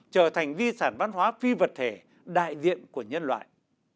trở thành di sản văn hóa phi vật thể đại diện của nhân loại